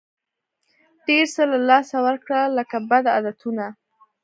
ډېر څه له لاسه ورکړه لکه بد عادتونه.